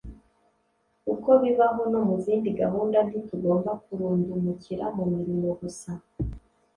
uko bibaho no mu zindi gahunda nti tugomba kurundumukira mu mirimo gusa,